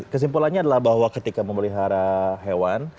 kesimpulannya adalah bahwa ketika memelihara hewan